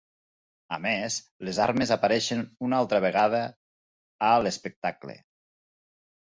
A més, les armes apareixen una altra vegada a l'espectacle.